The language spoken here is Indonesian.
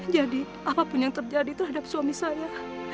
apapun yang terjadi terhadap suami saya